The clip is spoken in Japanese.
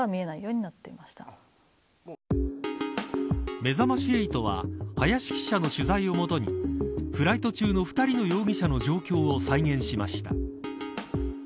めざまし８は林記者の取材を基にフライト中の２人の容疑者の状況を再現しました。